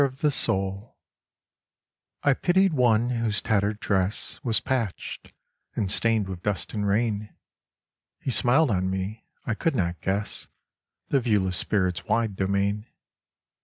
* rrf tit* J^uttl I PITIED one whose tattered dress Was patched, and stained with dust and rain ; He smiled on me ; I could not guess The viewless spirit's wide domain.